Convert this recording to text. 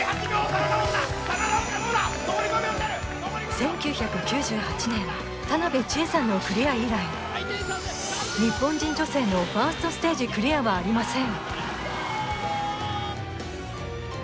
１９９８年田邊智恵さんのクリア以来日本人女性のファーストステージクリアはありません